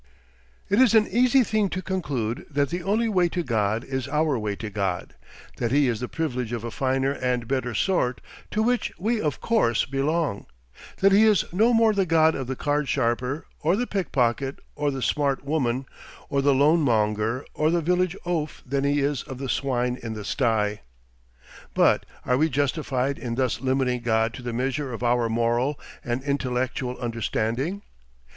It is an easy thing to conclude that the only way to God is our way to God, that he is the privilege of a finer and better sort to which we of course belong; that he is no more the God of the card sharper or the pickpocket or the "smart" woman or the loan monger or the village oaf than he is of the swine in the sty. But are we justified in thus limiting God to the measure of our moral and intellectual understandings?